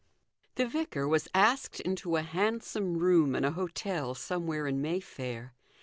II. THE vicar was asked into a handsome room in a hotel somewhere in Mayfair.